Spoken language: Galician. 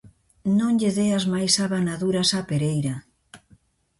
Non lle deas máis abanaduras á pereira.